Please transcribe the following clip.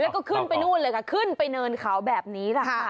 แล้วก็ขึ้นไปนู่นเลยค่ะขึ้นไปเนินเขาแบบนี้แหละค่ะ